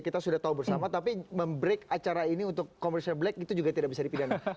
kita sudah tahu bersama tapi mem break acara ini untuk komersial black itu juga tidak bisa dipidanakan